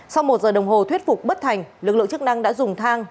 sau một giờ đồng hồ thuyết phục bất thành lực lượng chức năng đã dùng thang